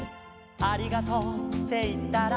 「ありがとうっていったら」